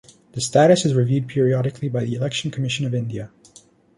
The status is reviewed periodically by the Election Commission of India.